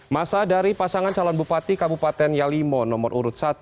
masa dari pasangan calon bupati kabupaten yalimo nomor urut satu